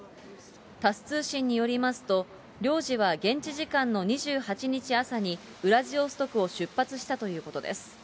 タス通信によりますと、領事は現地時間の２８日朝に、ウラジオストクを出発したということです。